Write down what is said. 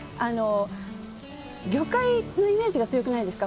魚介のイメージが強くないですか？